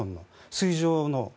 水上の。